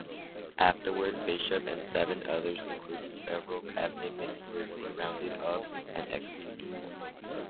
Afterward, Bishop and seven others including several cabinet ministers were rounded up and executed.